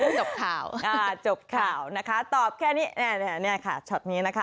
จบข่าวจบข่าวนะคะตอบแค่นี้ชอบนี้นะคะ